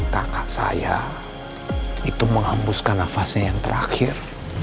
kakak saya itu menghembuskan nafasnya yang terakhir